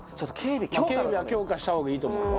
警備は強化した方がいいと思うよ。